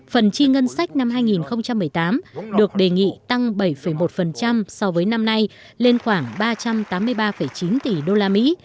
phần chi ngân sách năm hai nghìn một mươi tám được đề nghị tăng bảy một so với năm nay lên khoảng ba trăm tám mươi ba chín tỷ đô la mỹ